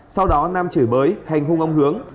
sau đó nam chửi bới hành hung ông hướng